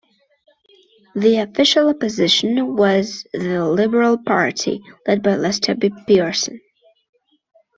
The Official Opposition was the Liberal Party, led by Lester B. Pearson.